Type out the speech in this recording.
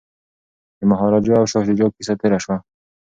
د مهاراجا او شاه شجاع کیسه تیره شوه.